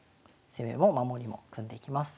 攻めも守りも組んでいきます。